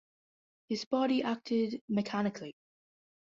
His body acted mechanically.